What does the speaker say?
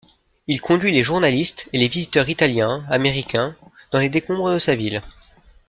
Il conduit les journalistes et les visiteurs italiens, américains...dans les décombres de sa ville.